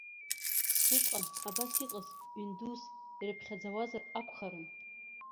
Усҟан абас иҟаз ҩын дус ирыԥхьаӡауазар акәхарын.